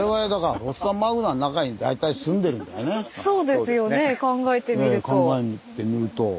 そうですよね考えてみると。